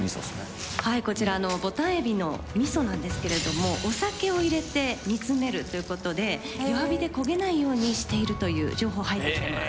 はいこちらあのぼたん海老の味噌なんですけれどもお酒を入れて煮詰めるということで弱火で焦げないようにしているという情報入ってきてます。